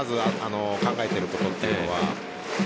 考えていることというのは。